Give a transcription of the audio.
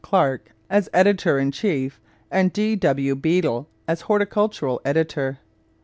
Clark as editor in chief and D. W. Beadle as horticultural editor.